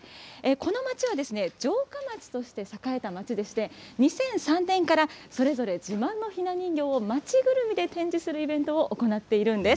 この街は、城下町として栄えた街でして、２００３年からそれぞれ自慢のひな人形を街ぐるみで展示するイベントを行っているんです。